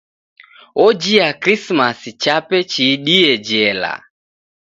Ojia Krisimasi chape chiidie jela.